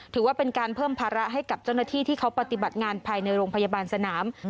ถือว่าเป็นการเพิ่มภาระให้กับเจ้าหน้าที่ที่เขาปฏิบัติงานภายในโรงพยาบาลสนาม